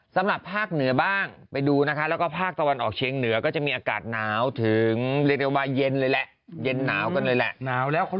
สำหรับภาคเหนือบ้างไปดูนะคะแล้วก็ภาคตะวันออกเชียงเหนือก็จะมีอากาศหนาวถึงเรียกได้ว่าเย็นเลยแหละเย็นหนาวกันเลยแหละ